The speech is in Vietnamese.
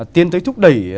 tiến tới thúc đẩy